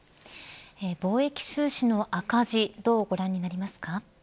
貿易収支の赤字どうご覧になりますか。